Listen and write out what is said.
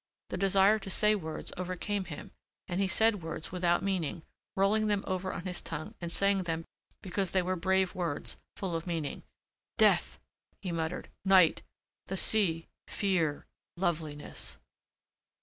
The desire to say words overcame him and he said words without meaning, rolling them over on his tongue and saying them because they were brave words, full of meaning. "Death," he muttered, "night, the sea, fear, loveliness."